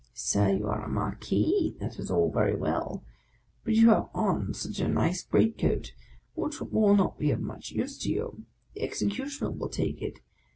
—" Sir, you are a Marquis ; that is all very well ; but you have on such a nice great coat, which will not be of much use to you. The Executioner will take it.